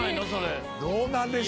どうなんでしょうか？